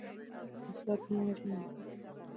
که مسواک ونه وهل شي نو د خولې روغتیا خرابیږي.